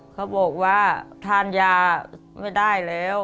เขาบอกว่าทานยาไม่ได้แล้ว